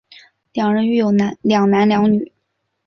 两人育有两男两女。